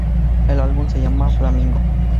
El álbum se llama "Flamingo".